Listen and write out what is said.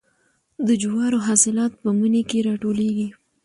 د جوارو حاصلات په مني کې راټولیږي.